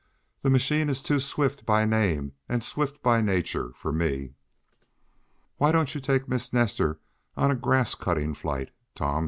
"That machine is too swift by name and swift by nature for me." "Why don't you take Miss Nestor on a grass cutting flight, Tom?"